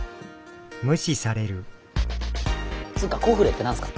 つうかコフレって何すか？